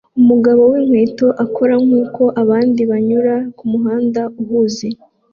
Umugabo winkweto akora nkuko abandi banyura kumuhanda uhuze